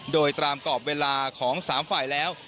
โดยตามกรอบเวลาของ๓ฝ่ายแล้ว